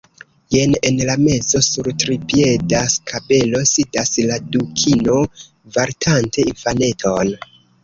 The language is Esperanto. Jen en la mezo, sur tripieda skabelo sidas la Dukino vartante infaneton.